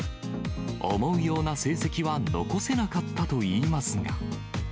思うような成績は残せなかったといいますが。